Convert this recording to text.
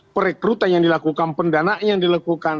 perekrutan yang dilakukan pendanaan yang dilakukan